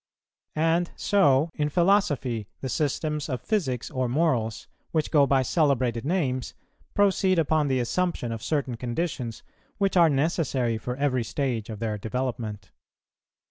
And so in philosophy, the systems of physics or morals, which go by celebrated names, proceed upon the assumption of certain conditions which are necessary for every stage of their development.